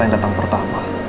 yang datang pertama